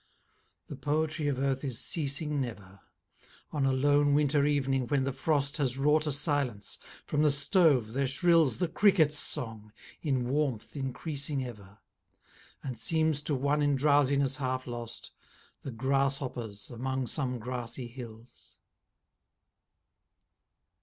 The poetry of earth is ceasing never: On a lone winter evening, when the frost Has wrought a silence, from the stove there shrills The Cricket's song, in warmth increasing ever, And seems to one in drowsiness half lost, The Grasshopper's among some grassy hills.